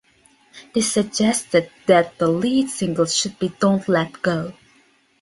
They suggested that the lead single should be Don't Let Go.